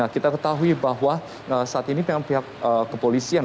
kita ketahui bahwa saat ini pihak kepolisian